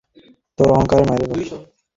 তোর অহংকারের মাইরে বাপ!